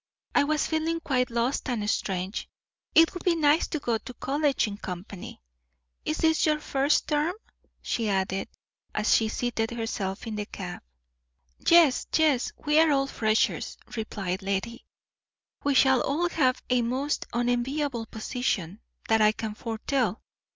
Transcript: "I was feeling quite lost and strange. It would be nice to go to college in company. Is this your first term?" she added, as she seated herself in the cab. "Yes, yes; we are all freshers," replied Lettie. "We shall all have a most unenviable position, that I can foretell.